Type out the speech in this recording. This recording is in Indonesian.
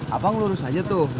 abang lurus aja tuh